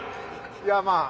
いやまあ。